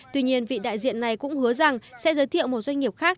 tuy nhiên vị đại diện này cũng hứa rằng sẽ giới thiệu một doanh nghiệp khác